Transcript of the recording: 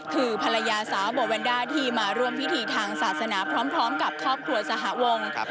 คือภรรยาสาวโบแวนด้าที่มาร่วมพิธีทางศาสนาพร้อมกับครอบครัวสหวง